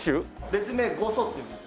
別名ゴソっていいます。